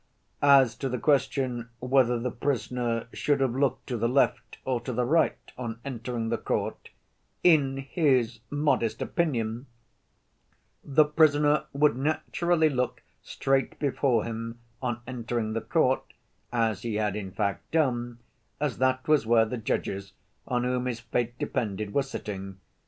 As to the question whether the prisoner should have looked to the left or to the right on entering the court, "in his modest opinion," the prisoner would naturally look straight before him on entering the court, as he had in fact done, as that was where the judges, on whom his fate depended, were sitting.